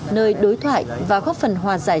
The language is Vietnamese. nơi đối thoại và góp phần hòa giải